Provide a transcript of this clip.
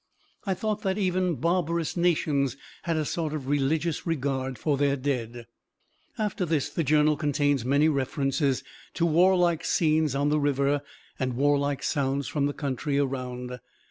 I thought that even barbarous nations had a sort of religious regard for their dead." After this the journal contains many references to warlike scenes on the river and warlike sounds from the country around.